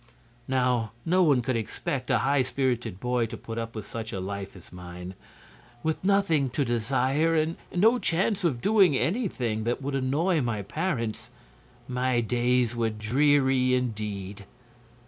"Now, no one could expect a high spirited boy to put up with such a life as mine. With nothing to desire and no chance of doing anything that would annoy my parents, my days were dreary indeed."